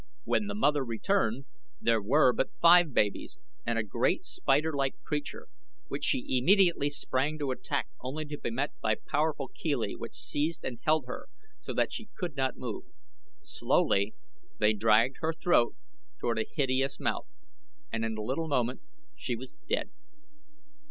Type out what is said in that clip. When the mother returned there were but five babies and a great spider like creature, which she immediately sprang to attack only to be met by powerful chelae which seized and held her so that she could not move. Slowly they dragged her throat toward a hideous mouth and in a little moment she was dead.